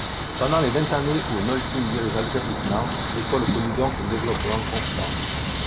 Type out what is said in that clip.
Pendant les vingt années où Noelting dirigea l'établissement, l'École connut donc un développement constant.